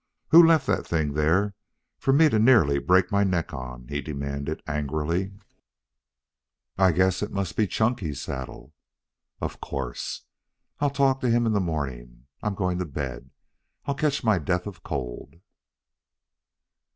Who left that thing there for me to nearly break my neck on?" he demanded angrily. "I guess it must be Chunky's saddle." "Of course. I'll talk to him in the morning. I'm going to bed. I'll catch my death of cold."